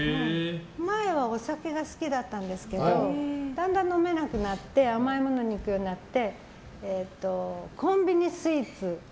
前はお酒が好きだったんですけどだんだん飲めなくなって甘いものにいくようになってコンビニスイーツ。